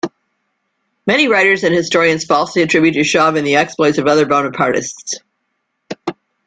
Many writers and historians falsely attribute to Chauvin the exploits of other Bonapartists.